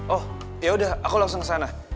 oh yaudah aku langsung kesana